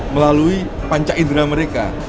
melalui panca indera mereka